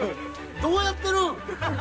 どうやってるん！？